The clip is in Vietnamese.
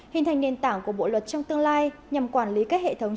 hình thành nền tảng của bộ luật trong tương lai nhằm quản lý các hệ thống